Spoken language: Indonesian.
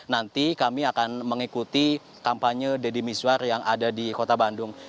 nanti kami akan mengikuti kampanye deddy miswar yang ada di kota bandung